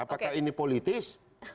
apakah ini politis